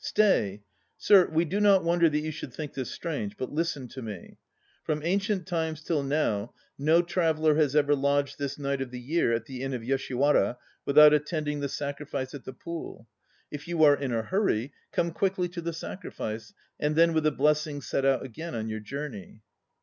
Stay! Sir, we do not wonder that you should think this strange. But listen to me. From ancient times till now no traveller has ever lodged this night of the year at the Inn of Yoshiwara without attend ing the sacrifice at the Pool. If you are in a hurry, come quickly to the sacrifice, and then with a blessing set out again on your journey.